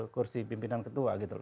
kursi pimpinan ketua